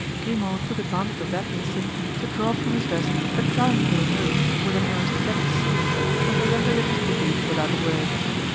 Grimaud took advantage of that instant to draw from his vest a charming little note with an aristocratic seal, and presented it to the duke without a word.